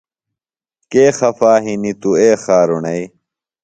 کے خفا ہِنیۡ توۡ اے خارُݨئیۡ۔